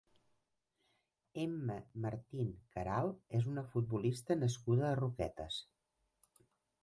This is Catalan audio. Emma Martín Queralt és una futbolista nascuda a Roquetes.